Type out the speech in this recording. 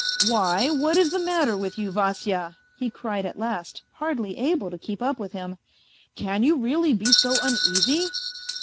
"Why, what is the matter with you, Vasya] " he cried at last, hardly able to keep up with him. " Can you really be so uneasy